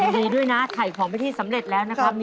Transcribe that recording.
ดีดีด้วยนะไข่ของพิธีสำเร็จแล้วนะครับ